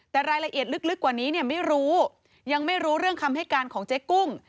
แต่รายละเอียดลึกกว่านี้เนี่ยไม่รู้ยังไม่รู้เรื่องคำให้การของเจ๊กุ้ง